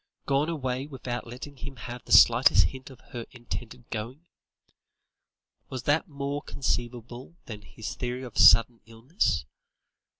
Gone away without letting him have the slightest hint of her intended going? Was that more conceivable than his theory of sudden illness?